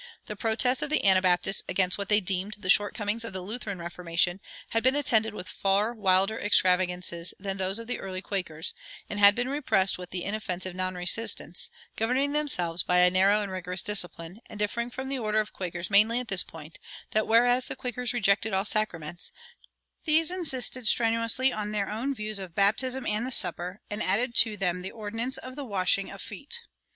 The protests of the Anabaptists against what they deemed the shortcomings of the Lutheran Reformation had been attended with far wilder extravagances than those of the early Quakers, and had been repressed with ruthless severity. But the political and militant Anabaptists were succeeded by communities of mild and inoffensive non resistants, governing themselves by a narrow and rigorous discipline, and differing from the order of Quakers mainly at this point, that whereas the Quakers rejected all sacraments, these insisted strenuously on their own views of Baptism and the Supper, and added to them the ordinance of the Washing of Feet.